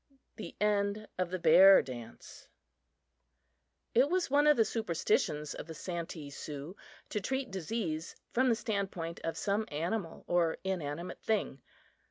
THE END OF THE BEAR DANCE IT was one of the superstitions of the Santee Sioux to treat disease from the standpoint of some animal or inanimate thing.